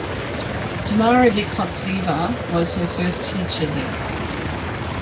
Tamara Vykhodtseva was her first teacher there.